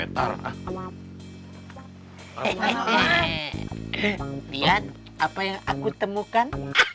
lihat apa yang aku temukan